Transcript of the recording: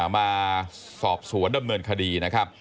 มาสอบสวนดำเนินคดี